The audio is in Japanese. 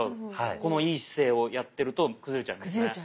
この良い姿勢をやってると崩れちゃいますね。